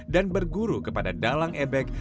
dan berguru kepada dalang ebon